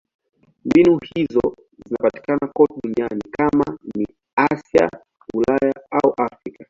Mbinu hizo zinapatikana kote duniani: kama ni Asia, Ulaya au Afrika.